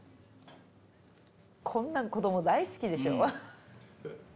こんなん子ども大好きでしょ。